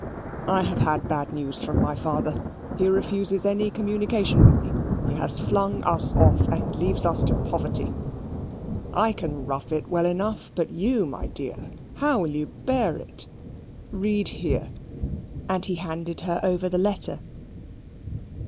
I have had bad news from my father. He refuses any communication with me; he has flung us off; and leaves us to poverty. I can rough it well enough; but you, my dear, how will you bear it? read here." And he handed her over the letter.